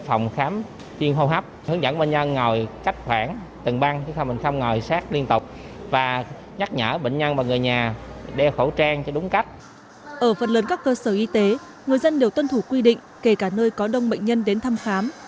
ở phần lớn các cơ sở y tế người dân đều tuân thủ quy định kể cả nơi có đông bệnh nhân đến thăm khám